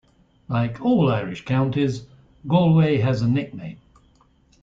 Like all Irish counties Galway has a nickname.